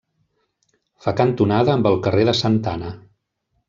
Fa cantonada amb el carrer de Santa Anna.